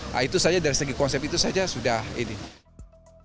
nah itu saja dari segi konsep itu saja sudah ini